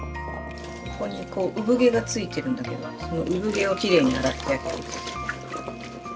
ここにこう産毛がついてるんだけどその産毛をきれいに洗ってあげる。